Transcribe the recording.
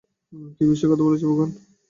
কি বিষয়ে কথা বলছো, বুকান?